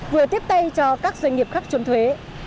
vừa tiếp tay cho các doanh nghiệp khắc chuẩn thuế